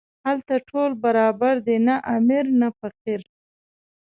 هلته ټول برابر دي، نه امیر نه فقیر.